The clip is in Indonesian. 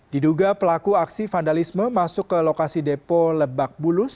diduga pelaku aksi vandalisme masuk ke lokasi depo lebak bulus